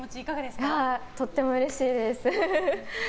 とてもうれしいです。